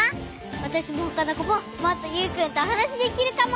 わたしもほかのこももっとユウくんとおはなしできるかも！